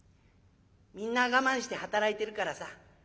みんな我慢して働いているからさ